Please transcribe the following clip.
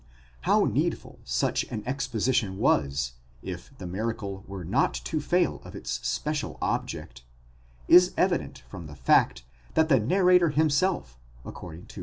43 How needful such an exposition was, if the miracle were not to fail of its special object, is evi dent from the fact, that the narrator himself, according to v.